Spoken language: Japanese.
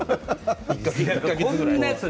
１か月ぐらい。